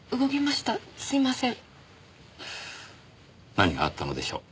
何があったのでしょう？